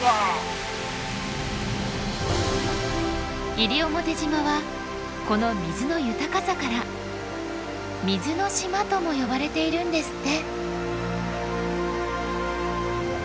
西表島はこの水の豊かさから「水の島」とも呼ばれているんですって。